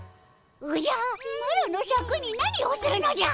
おじゃマロのシャクに何をするのじゃ。